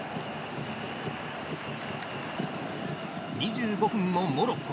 ２５分もモロッコ。